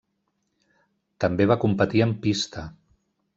També va competir en pista.